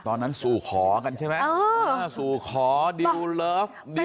ตอนนั้นสุขากันใช่ไหมสุขดิวเลิฟ